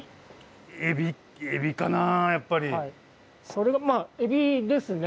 それがまあエビですね。